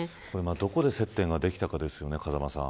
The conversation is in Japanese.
どこで接点ができたかですよね風間さん。